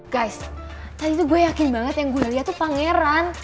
guys tadi itu gue yakin banget yang gue liat tuh pangeran